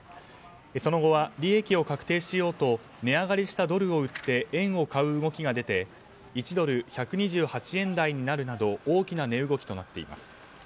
その後は利益を確定しようと値上がりしたドルを売って円を買う動きが出て１ドル＝１２８円台になるなど大きな値動きとなっています。